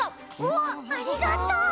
おっありがとう！